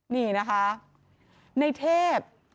นี่นะคะในเทพ